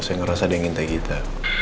saya ngerasa ada yang ngintai kita